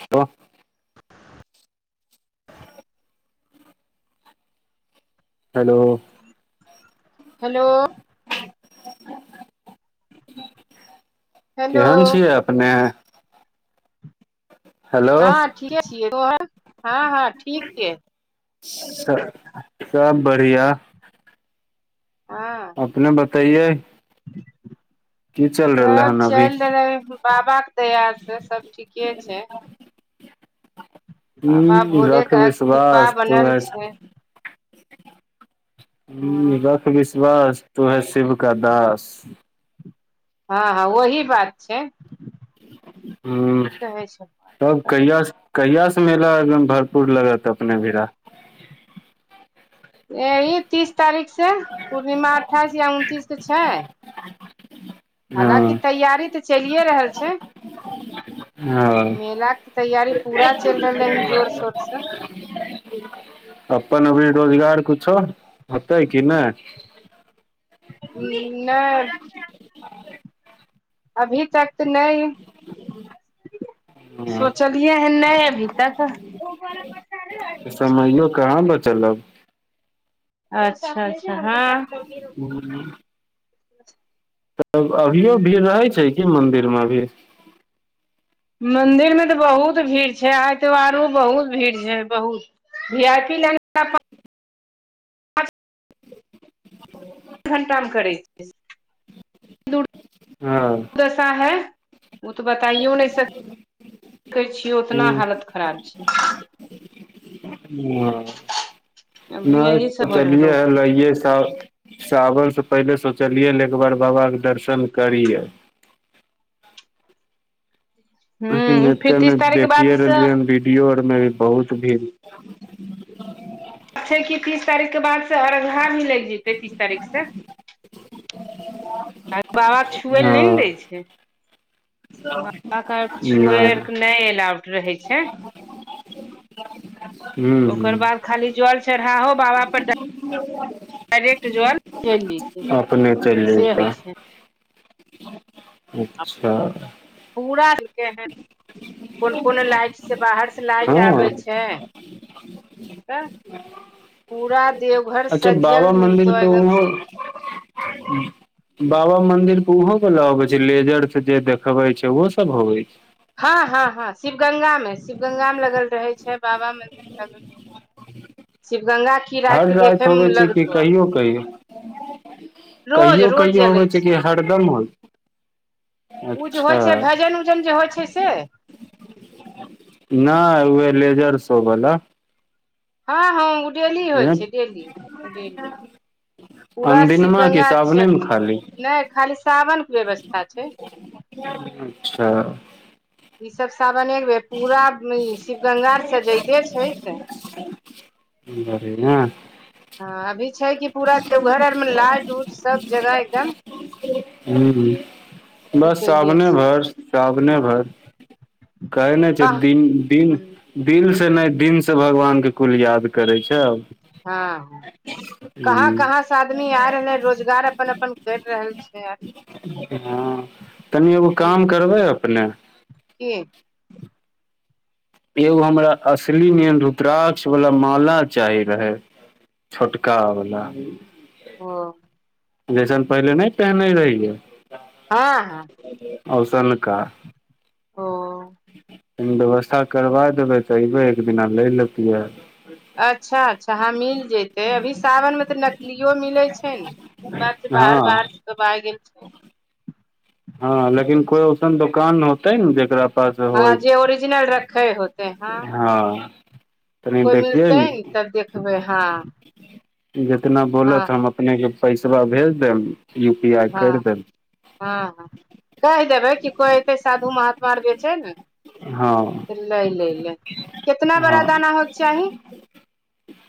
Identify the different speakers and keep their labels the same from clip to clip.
Speaker 1: तऽ hello
Speaker 2: hello hello
Speaker 1: केहन छियै अपने हेलो
Speaker 2: हँ ठीके छियै तोहर हँ हँ ठीक छियै
Speaker 1: [inaudible] सब बाढ़िया
Speaker 2: हँ
Speaker 1: अपने बताइय रहलै
Speaker 2: सब
Speaker 1: हन अभी
Speaker 2: चलि रहलैय बाबा के दयासँ सब ठीके छै बाबा
Speaker 1: हू
Speaker 2: भोले
Speaker 1: रख
Speaker 2: के कृपा
Speaker 1: विश्वास
Speaker 2: बनल
Speaker 1: तऽ
Speaker 2: छै
Speaker 1: [unintelligible] हू
Speaker 2: हँ
Speaker 1: रख विश्वास तू है शिव का दास
Speaker 2: हँ हँ वही बात छै
Speaker 1: हँ
Speaker 2: की कहै छै
Speaker 1: तब कहि कहिया सऽ मेला एकदम भरपूर लागत अपने [unintelligible]
Speaker 2: यहि तीस तारीखसँ पूर्णिमा अठाइस या उनतीसकऽ छै हालाँकि
Speaker 1: हँ
Speaker 2: तैयारी तऽ चलिए रहल छैय
Speaker 1: हँ
Speaker 2: मेलाके तैयारी पूरा चलि रहलै हन जोर शोरसँ
Speaker 1: अपन अभी रोजगार किछुओ होतै कि नहि
Speaker 2: हं नहि
Speaker 1: [unintelligible]
Speaker 2: अभी तक तऽ नहि
Speaker 1: [unintelligible] हाँ,
Speaker 2: सोचलियै हँ नहि अभी तक
Speaker 1: समैयो कहाँ बचल अब
Speaker 2: अच्छा अच्छा हँ
Speaker 1: [unintelligible]
Speaker 2: [unintelligible]
Speaker 1: तऽ अभियो भीड़ रहै छै कि मंदिर मे अभी
Speaker 2: मंदिरमे तऽ बहुत भीड़ छै आइ तऽ औरो बहुत भीड़ छै, बहुत भियापी लाईन
Speaker 1: [unintelligible]
Speaker 2: एक घण्टामे करै छिय
Speaker 1: हँ
Speaker 2: दसा है ओ तऽ बताइओ नहि सकै छियै उतना हालत खराब छैय
Speaker 1: [unintelligible]
Speaker 2: अभी
Speaker 1: नेय
Speaker 2: यही सब हो
Speaker 1: सीचलिये
Speaker 2: रहलो
Speaker 1: हऽ लहिए सब सावन से पहिले सोचलियै ने एक बार बाबा कऽ दर्शन करिय
Speaker 2: ह
Speaker 1: लेकिन
Speaker 2: फिर
Speaker 1: एते
Speaker 2: तीस
Speaker 1: ने
Speaker 2: तारीख के बाद
Speaker 1: देखिे
Speaker 2: से
Speaker 1: रहलियै हन वीडियो आर मे भी बहुत भीड़
Speaker 2: छै कि तीस तारीख के बाद से अरन्धा भी लागि जेते तीस तारीख सऽ
Speaker 1: [unintelligible]
Speaker 2: आय बाबा कऽ छुएल
Speaker 1: हँ
Speaker 2: नहि नऽ दै छैय बाबा कऽ
Speaker 1: नहि
Speaker 2: छुए आर के नहि एलाउ रहे छैय
Speaker 1: ह [unintelligible]
Speaker 2: ओकर बाद खाली जल चढ़ाहो बाबा पर डायरेक्ट जल
Speaker 1: अपने चलि
Speaker 2: [unintelligible] से होइ
Speaker 1: जैतऽ
Speaker 2: छैय
Speaker 1: अच्छा
Speaker 2: पूरा देलके है कोन कोन लाइटसँ बाहरसँ लाइट
Speaker 1: हँ
Speaker 2: आबै छैय त पूरा देवघर
Speaker 1: अच्छा
Speaker 2: सजल मिलतो
Speaker 1: पे
Speaker 2: एकदम
Speaker 1: ओहो
Speaker 2: स
Speaker 1: बाबा मन्दिर ओहो वला अबे छैय लेजर से जे देखबे छैय ओहो सब होवे छैय
Speaker 2: हँ हँ हँ शिव गंगा मऽ शिव गंगा मे लगल रहे छैय बाबा मंदिर मे लगल रहे छैय शिवगंगा
Speaker 1: हर
Speaker 2: के
Speaker 1: रति
Speaker 2: देखे
Speaker 1: होबे
Speaker 2: मे
Speaker 1: छैय कि
Speaker 2: लगतौ
Speaker 1: कहियो कहियौ
Speaker 2: रोज
Speaker 1: कहियो
Speaker 2: रोज
Speaker 1: कहियो
Speaker 2: जलै
Speaker 1: होबे छैय
Speaker 2: छै
Speaker 1: कि हरदम होय
Speaker 2: ओ जे
Speaker 1: अच्छा
Speaker 2: होइ छैय भजन उजन जे होइ छैय से
Speaker 1: नई उहे लेजर सब बला
Speaker 2: हँ हँ ओ डेली होइ छैय डेली डेली पूरा
Speaker 1: अनदिनमा कि
Speaker 2: शिवगंगा
Speaker 1: सावनेमे
Speaker 2: चक
Speaker 1: खाली
Speaker 2: नहि खाली साावन कऽ व्यवस्था छैय
Speaker 1: अच्छा
Speaker 2: ईसभ सावन एक बेे पूरा शिव गंगा आर सजयले छैय तऽ
Speaker 1: बढ़िया
Speaker 2: हँ अभी छैय कि पूरा देवघर आर मऽ लाइट उट सब जगह एकदम
Speaker 1: हू
Speaker 2: अथी
Speaker 1: बस
Speaker 2: कैले
Speaker 1: सावने
Speaker 2: छै
Speaker 1: भरि सावने
Speaker 2: हँ
Speaker 1: भरि कहै नहि छैय
Speaker 2: कह
Speaker 1: दिन दिन दिल से नहि दिन से भगवानके कुल याद करै छैय हू
Speaker 2: दस आदमी आय रहलै रोजगार अपन अपन करि रहल छैय
Speaker 1: हँ तनि एगो काम करबै अपने
Speaker 2: कि
Speaker 1: एगो हमरा असली निय रुद्राक्ष वाला माला चाही रहे छोटका वला
Speaker 2: [unintelligible]
Speaker 1: जैसन पहिले नहि पहिनै रहियै
Speaker 2: हँ हँ
Speaker 1: औसनका
Speaker 2: ओ
Speaker 1: तनि व्यवस्था करबा देबै तऽ अयबै एक दिना लै लेतियै
Speaker 2: अच्छा अच्छा हँ मिल जतै अभी सावनमे तऽ नकलियो मिलै छैय नऽ बात छै
Speaker 1: हँ
Speaker 2: बाहर बाहर से सब आ गेल
Speaker 1: हँ लेकिन कोइ ओसन दोकान होते नऽ जेकरा जकरा पास
Speaker 2: हँ
Speaker 1: होइ
Speaker 2: जे ओरिजिनल रखे होते हँ
Speaker 1: हँ तनि
Speaker 2: कोइ
Speaker 1: देखियै
Speaker 2: मिलतै
Speaker 1: ने
Speaker 2: तब देखबै हँ
Speaker 1: जितना
Speaker 2: हँ
Speaker 1: बोलत हम अपनेके पैसबा भेज देब यू पी आइ करि देब
Speaker 2: हँ हँ कहि देबै कि कोइ एयतै साधु महात्मा आर जे छैय ने
Speaker 1: हँ
Speaker 2: छै लै लै लेऽ कितना
Speaker 1: हँ
Speaker 2: बड़ा दाना होइके चाही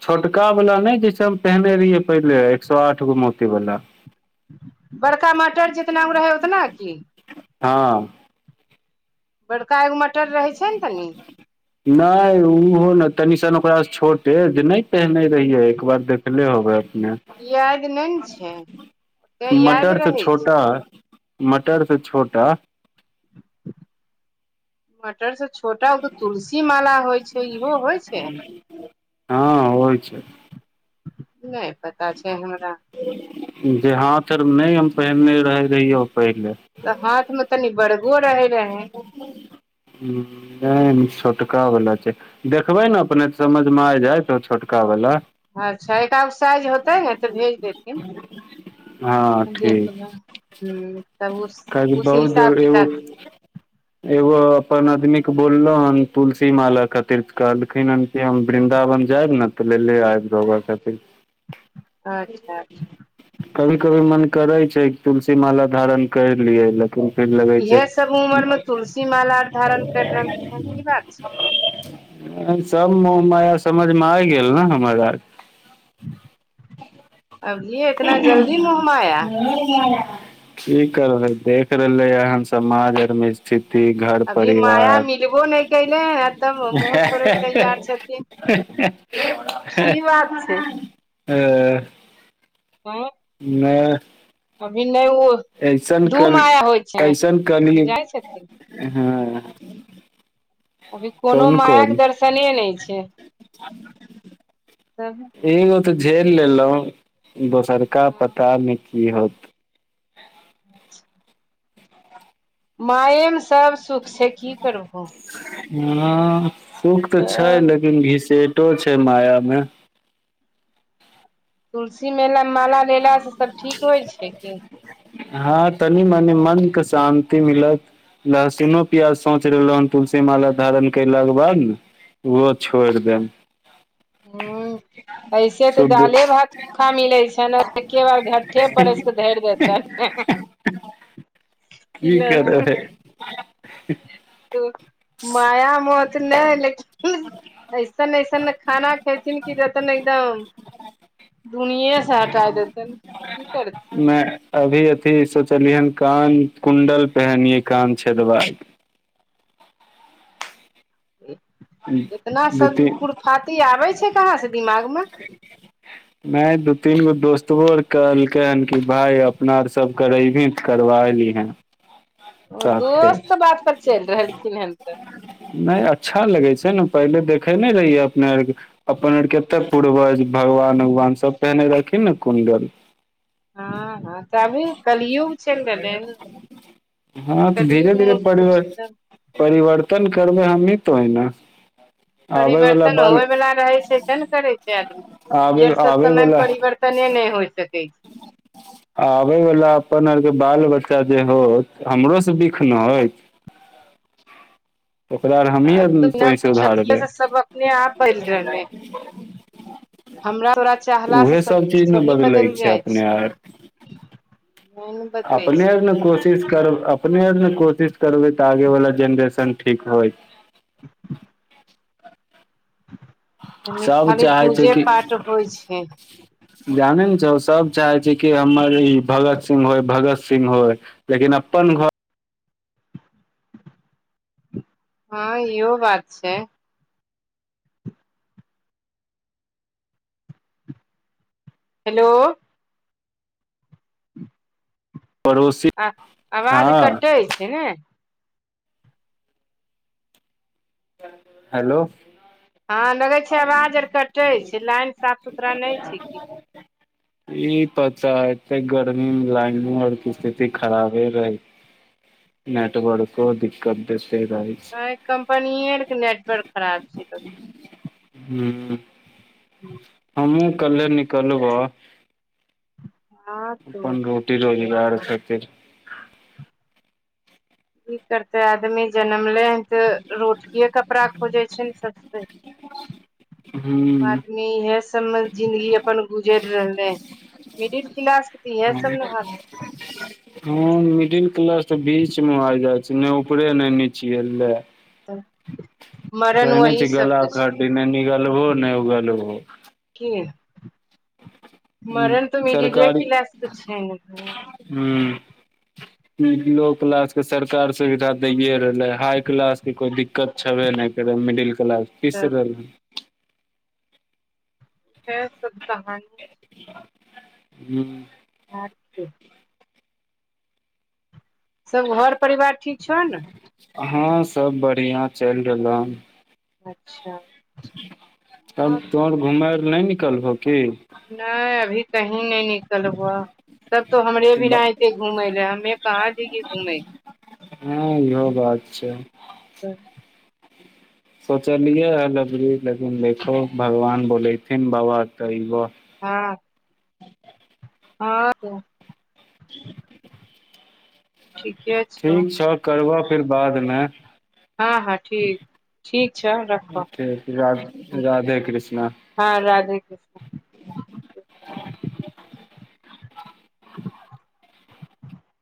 Speaker 1: छोटका वाला ने जैसे हम पहिने रहियै पहिले एक सए आठ गो मोती वाला
Speaker 2: बड़का मटर जितना गे रहै ओतना की
Speaker 1: हँ
Speaker 2: बड़का एगो मटर रहै छै नऽ तनी
Speaker 1: [unintelligible] नहि ओहो नऽ तनि सन ओकरासँ छोटे जे नहि पहिने रहियै एक बार देखले होबे अपने
Speaker 2: याद नहि नऽ छैय ओते याद रहै छै
Speaker 1: नहि मटर सऽ छोटा
Speaker 2: मटर सऽ छोटा ओ तऽ तुलसी माला होइ छै इहो होइ छै
Speaker 1: हँ होइ छै
Speaker 2: नहि पता छै हमरा
Speaker 1: जे हाथ अर मे नहि हम पहनने रह रहहि पहिले
Speaker 2: तऽ हाथ मऽ तनी बड़गो रहे रहे
Speaker 1: नहि ई छोटका बला छै देखबै नऽ अपने समझमे आ जायछ छोटका वला
Speaker 2: अच्छा एकटा उऽ साइज होतै ने तऽ भेज देथिन
Speaker 1: हँ
Speaker 2: [unintelligible]
Speaker 1: ठीक
Speaker 2: देखबे हू
Speaker 1: काहेकि
Speaker 2: उ
Speaker 1: बहुत
Speaker 2: हिसाब
Speaker 1: जरूरी
Speaker 2: किताब
Speaker 1: एगो एगो अपन आदमी कऽ बोललो हन तुलसी माला खातिर कहलखिन हन कि हम वृन्दावन जायब नऽ तऽ ले ले आब रऊआ खातिर
Speaker 2: अच्छा अच्छा
Speaker 1: कभी कभी मन करै छै तुलसी माला धारण कर लियै लेकिन फेर लगै छै
Speaker 2: इहे सब उमर मे तुलसी माला आर धारण कर रहलखिन हन की बात छै
Speaker 1: सब मोह माया समझमे आ गेल नऽ हमर आर
Speaker 2: [unintelligible] अभिए
Speaker 1: [unintelligible] कि करबे देख रहले हऽ समाज आरमे स्थिति घर
Speaker 2: अभी माया
Speaker 1: परिवार
Speaker 2: मिलबो नहि कैले ह तब मुँह छोड़े ल तैयार छथिन की बात छै
Speaker 1: [unintelligible]
Speaker 2: [unintelligible]
Speaker 1: नहि
Speaker 2: अभी नहि ओ
Speaker 1: ऐसन
Speaker 2: दू माया होइ छै जाइ छथिन
Speaker 1: [unintelligible]
Speaker 2: अभी कोनो
Speaker 1: कोन
Speaker 2: माया कऽ
Speaker 1: कोन
Speaker 2: दर्शने नहि छै
Speaker 1: [unintelligible]
Speaker 2: [unintelligible]
Speaker 1: एगो तऽ झेल लेलहु दोसरका पता ने की होत
Speaker 2: अच्छा मायामे सब सुख छै की करबहो
Speaker 1: ह सुख तऽ छै
Speaker 2: तब
Speaker 1: लेकिन घिसेटो छै माया मे
Speaker 2: तुलसी के माला लेलासँ सभ ठीक होइ छैय की
Speaker 1: हँ तनि मनी मन कऽ शान्ति मिलत लहसुनो प्याज सोच रहलो हन तुलसी माला धारण कलाक के बाद नऽ ओहो छोरि देब
Speaker 2: एसे तऽ
Speaker 1: शुद्ध
Speaker 2: दालि भात चोखे खाय नऽ मिलेत छयन एके बार झटठे परसिक धारि देयतनि। [unintelligible]
Speaker 1: कि करबे
Speaker 2: माया मोह तऽ नै लेकिन एसन एसन खाना खेथिन की लगतनि एकदम दुनिये स हटा हटा देतयेन की करथिन
Speaker 1: नेय अभी अथि सोचलिय हँ कान कुंडल पेहनिये कान छेदबा कऽ
Speaker 2: इतना
Speaker 1: दू
Speaker 2: सब
Speaker 1: तीन
Speaker 2: खुराफाती आबैय छैय कहा सऽ दिमागमऽ
Speaker 1: [unintelligible] नै दू तीन गो दोस्तबो आर कहलकै हऽ कि भााय अपना सब करेबही तऽ करबा लिहन
Speaker 2: ओ दोस्तक बात पर चलि रहलखिन ह तऽ
Speaker 1: नै अच्छा लगे छैय नऽ पहिले देखे नै रहियै अपना आरके अपना आरके। एतय पूर्वज भगवान उगवान सब पहिने रहथिन नऽ कुंडल।
Speaker 2: हँ हँ तऽ अभी कलियुग चलि रहलैय हन
Speaker 1: हँ तऽ धीरे धीरे
Speaker 2: कलियुगमे कुछ
Speaker 1: परिवर
Speaker 2: तऽ
Speaker 1: परिवर्तन करबैय हमी तोही नऽ
Speaker 2: परिवर्तन होए बला रहेय छैय ते नऽ करे छैय आदमी इ
Speaker 1: आबै
Speaker 2: आर सब
Speaker 1: आबै
Speaker 2: समयमे परिवर्तन तने नै होइ सकैय छैय
Speaker 1: [unintelligible] अबैय वला अपन अरके बाल बच्चा जे होतय हमरो से बिख नऽ होयत ओकरा आर हमही आर तोहि से उधारबै
Speaker 2: [unintelligible] सब अपने आप बन रहले हँ हमरा तोड़ा चाहला
Speaker 1: उहे
Speaker 2: सऽ सब
Speaker 1: चीज ने
Speaker 2: थोरिये
Speaker 1: बदलै
Speaker 2: बदलि
Speaker 1: छै
Speaker 2: जाइ
Speaker 1: अपने
Speaker 2: छैय
Speaker 1: आर अपने
Speaker 2: छै
Speaker 1: आर नऽ कोसिस करबैय अपने आर नऽ कोसिस करबै तऽ आगे वाला जनरेसन ठीक होयत सब
Speaker 2: खाली
Speaker 1: चाहै छै
Speaker 2: पुजे
Speaker 1: कि
Speaker 2: पाठ होइ छैय
Speaker 1: जानै नऽ छहौ सब चाहे छैय की हमर इ भगत सिंह होय भगत सिंह होय लेकिन अपन घरऽ
Speaker 2: ह इहो बात छैय हेलो
Speaker 1: पड़ोसी
Speaker 2: आ आवाज
Speaker 1: हँ
Speaker 2: कटैत छैय नऽ
Speaker 1: हेलो
Speaker 2: ह लगैय छैय आवाज आर कटै छैय लाइन साफ सुथरा नहि छैय की
Speaker 1: [unintelligible] की पता एत्ते गर्मीमे लाइन आरऽ कऽ स्थिति खराबे रहैय छैय। नेटवर्को दिक्कत देते रहये
Speaker 2: ताहि कम्पनीये आर कऽ नेटवर्क खराब छैय
Speaker 1: हू
Speaker 2: [unintelligible]
Speaker 1: हमहु काल्ले निकलबह
Speaker 2: हँ तो
Speaker 1: अपन रोटी रोजगार खातिर
Speaker 2: की करते आदमी जनमले ह तऽ रोटिये कपड़ा खोजइ छैय नऽ सबसे
Speaker 1: हू
Speaker 2: आब आदमी इहे सबमे जिंन्दगी अपन गुजर रहले हऽ मिडिल क्लास भी
Speaker 1: ह मिडिल क्लास तऽ बीच मे आ जाइत अछि। ने ऊपरे नऽ नचिये लेऽ
Speaker 2: [unintelligible] मरण
Speaker 1: कहै नहि
Speaker 2: वही
Speaker 1: छै गला
Speaker 2: सबके छै
Speaker 1: खाटी नहि निगलबो नहि उगलबो
Speaker 2: कि मरण तऽ मिडिले क्लास छै नऽ फेरो
Speaker 1: हू लो क्लास के सरकार सुविधा दैए रहलै हाई क्लास कऽ कोइ दिक्कत छबे नहि करै मिडिल क्लास पिस रहलय हँ
Speaker 2: [unintelligible]
Speaker 1: हू
Speaker 2: [unintelligible] सब घर परिवार ठीक छौ नऽ
Speaker 1: हाँ सब बढ़िया चलि रहलो हँ
Speaker 2: अच्छा
Speaker 1: तब
Speaker 2: हँ
Speaker 1: तोर घुमेय नहि निकलबहो की
Speaker 2: नहि अभी कही नहि निकलबऽ सब तो हमरे भना घूमै लऽ हमे कहाँ जए घुमे
Speaker 1: हँ इहो बात छै
Speaker 2: [unintelligible]
Speaker 1: सोचलियै हँ एबरी लेकिन देखहो भगवान बोलेथिन बाबा तऽ अबऽ
Speaker 2: हँ हँ ठीके छौ
Speaker 1: ठीक छह करबह फेर बादमे
Speaker 2: हँ हँ ठीक ठीक छै रख
Speaker 1: रा राधे कृष्णा
Speaker 2: हँ राधे कृष्णा [unintelligible]